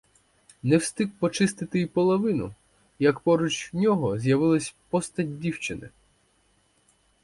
Не встиг почистити й половини, як поруч нього з'явилась постать дівчини.